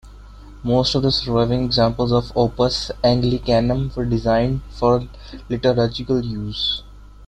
Most of the surviving examples of Opus Anglicanum were designed for liturgical use.